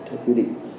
theo quy định